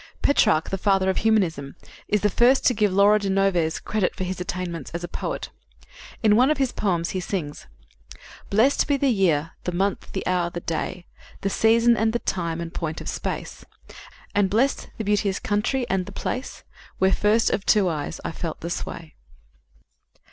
Petrarch, the father of humanism, is the first to give Laura de Noves credit for his attainments as a poet. In one of his poems he sings: "Blest be the year, the month, the hour, the day, The season and the time, and point of space, And blest the beauteous country and the place Where first of two eyes I felt the sway."